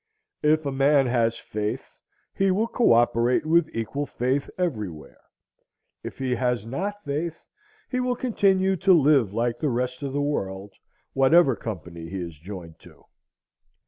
If a man has faith, he will coöperate with equal faith everywhere; if he has not faith, he will continue to live like the rest of the world, whatever company he is joined to.